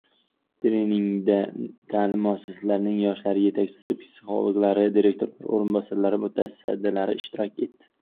Treningda taʼlim muassasalarining yoshlar yetakchilari, psixologlari, direktor oʻrinbosarlari, mutaxassislari ishtirok etishdi.